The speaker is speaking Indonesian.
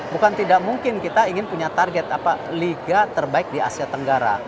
bukan tidak mungkin kita ingin punya target liga terbaik di asia tenggara